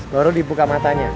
lalu dibuka matanya